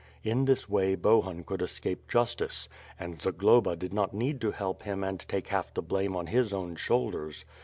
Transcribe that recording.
In this way Bohun could escape justice, and Zagloba did not need to help him and take half the blame on his own shoulders.